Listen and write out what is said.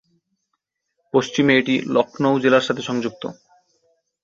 পশ্চিমে এটি লক্ষ্ণৌ জেলার সঙ্গে সংযুক্ত।